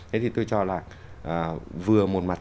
thế thì tôi cho là vừa một mặt